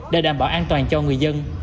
để đảm bảo an toàn cho người dân